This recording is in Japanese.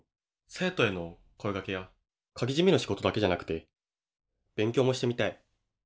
生徒への声掛けや鍵じめの仕事だけじゃなくて勉強もしてみたい。